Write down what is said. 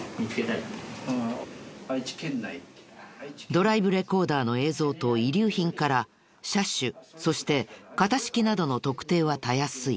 ドライブレコーダーの映像と遺留品から車種そして型式などの特定はたやすい。